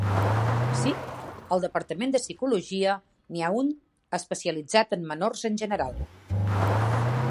Sí, al departament de psicologia n'hi ha un especialitzat en menors en general.